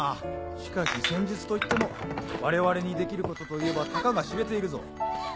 しかし戦術といっても我々にできることといえばたかが知れているぞ。